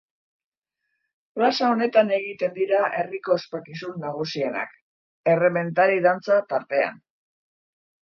Plaza honetan egiten dira herriko ospakizun nagusienak, errementari dantza tartean.